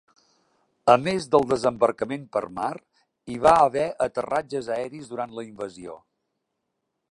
A més del desembarcament per mar, hi va haver aterratges aeris durant la invasió.